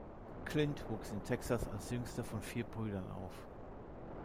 Clint wuchs in Texas als jüngster von vier Brüdern auf.